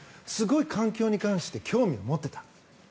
すごい環境に関して興味を持っていた。